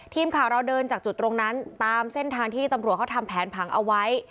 ทีมข่าวเราเดินจากจุดตรงนั้นตามเส้นทางที่ตำรวจเขาทำแผนผังเอาไว้